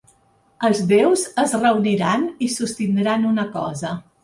Els déus es reuniran i sostindran una cosa.